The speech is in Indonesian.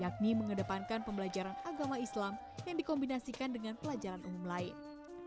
yakni mengedepankan pembelajaran agama islam yang dikombinasikan dengan pelajaran umum lain